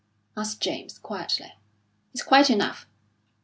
asked James, quietly. "It's quite enough."